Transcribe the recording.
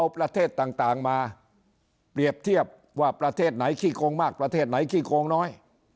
เอาประเทศต่างมาเปรียบเทียบว่าประเทศไหนขี้โกงมากประเทศไหนขี้โกงน้อย